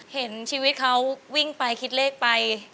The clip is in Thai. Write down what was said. เห็นชีวิตเขาวิ่งไปคิดเลขไป